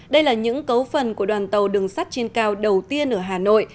đây là những cấu phần của đoàn tàu đường sắt trên cao đầu tiên ở hà nội